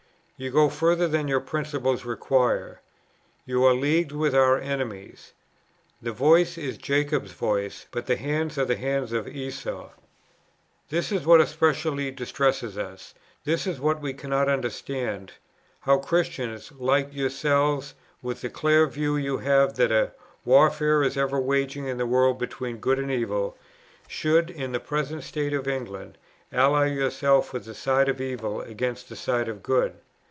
You go further than your principles require. You are leagued with our enemies. 'The voice is Jacob's voice, but the hands are the hands of Esau.' This is what especially distresses us; this is what we cannot understand; how Christians, like yourselves, with the clear view you have that a warfare is ever waging in the world between good and evil, should, in the present state of England, ally yourselves with the side of evil against the side of good....